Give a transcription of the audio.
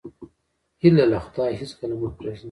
هیله له خدایه هېڅکله مه پرېږده.